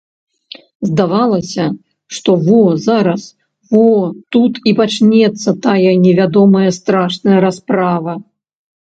Здавалася, што во зараз, во тут і пачнецца тая невядомая страшная расправа.